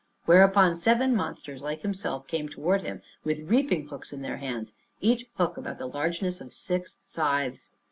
Whereupon seven monsters, like himself, came toward him, with reaping hooks in their hands, each hook about the largeness of six scythes.